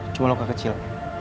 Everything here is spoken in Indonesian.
cuma lo gak kecil